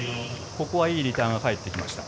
ここはいいリターンが返ってきました。